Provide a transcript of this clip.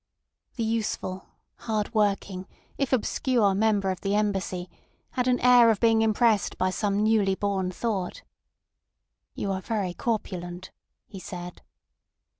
The useful, hard working, if obscure member of the Embassy had an air of being impressed by some newly born thought. "You are very corpulent," he said.